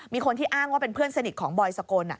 มีคนที่อ้างว่าเป็นเพื่อนสนิทของบอยสกล